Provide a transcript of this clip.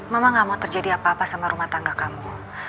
mama gak mau terjadi apa apa sama rumah tangga kamu